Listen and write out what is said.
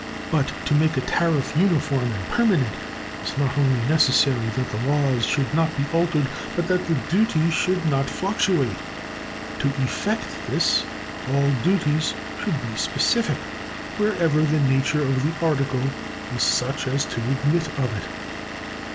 But to make a tariff uniform and permanent it is not only necessary that the laws should not be altered, but that the duty should not fluctuate. To effect this all duties should be specific wherever the nature of the article is such as to admit of it.